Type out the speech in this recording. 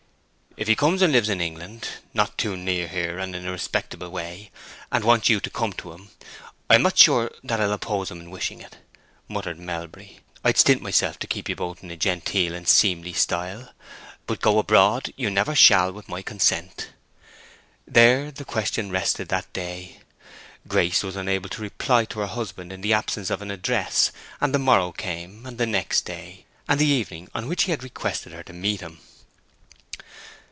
"If he comes and lives in England, not too near here and in a respectable way, and wants you to come to him, I am not sure that I'll oppose him in wishing it," muttered Melbury. "I'd stint myself to keep you both in a genteel and seemly style. But go abroad you never shall with my consent." There the question rested that day. Grace was unable to reply to her husband in the absence of an address, and the morrow came, and the next day, and the evening on which he had requested her to meet him.